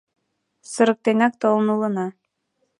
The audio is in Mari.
Сырыктенак толын улына.